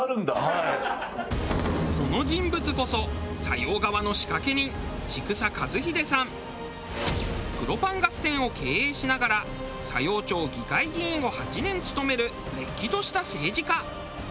この人物こそプロパンガス店を経営しながら佐用町議会議員を８年務めるれっきとした政治家。